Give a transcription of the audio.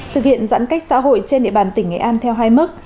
thực hiện giãn cách xã hội trên địa bàn tỉnh nghệ an theo hai mức